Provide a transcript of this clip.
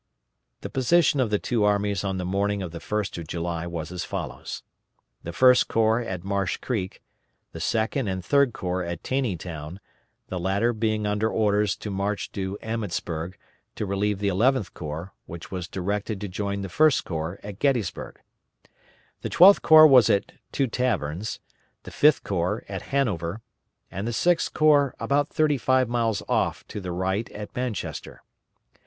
The position of the two armies on the morning of the 1st of July, was as follows: The First Corps at Marsh Creek; the Second and Third Corps at Taneytown; the latter being under orders to march to Emmetsburg, to relieve the Eleventh Corps, which was directed to join the First Corps at Gettysburg; the Twelfth Corps was at Two Taverns; the Fifth Corps at Hanover, and the Sixth Corps about thirty five miles off to the right at Manchester.